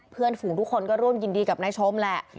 เพื่อนฝูงทุกคนก็ร่วมยินดีกับนายชมแหละ